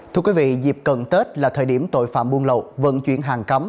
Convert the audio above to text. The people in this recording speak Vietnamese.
thưa quý vị dịp cận tết là thời điểm tội phạm buôn lậu vận chuyển hàng cấm